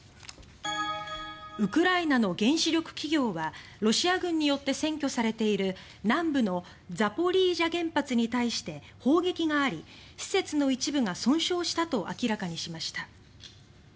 ウクライナの原子力企業はロシアによって占拠されている南部のザポリージャ原発に対して砲撃があり施設の一部が損傷したと明らかにしました。